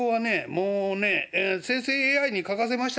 もうね生成ＡＩに書かせましたからね